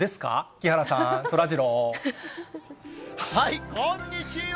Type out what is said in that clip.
木原さん、そらジロー。